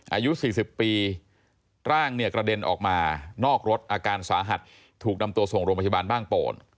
อายุ๔๐ปีร่างเนี่ยกระเด็นออกมานอกรถอาการสาหัสถูกนำตัวส่งโรงพยาบาลบ้างโป่น